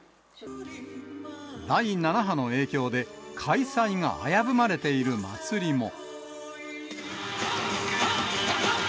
第７波の影響で、開催が危ぶまれている祭りも。